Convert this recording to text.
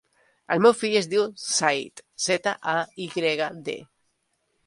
El meu fill es diu Zayd: zeta, a, i grega, de.